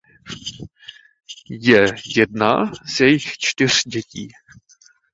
Je jedna z jejich čtyř dětí.